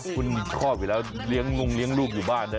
คุณครอบอยู่แล้วลุงเลี้ยงลูกอยู่บ้าน